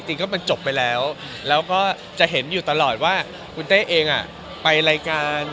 จริงก็มันจบไปแล้วแล้วก็จะเห็นอยู่ตลอดว่าคุณเต้เองไปรายการ